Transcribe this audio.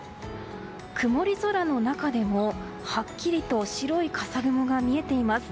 曇り空の中でも、はっきりと白い笠雲が見えています。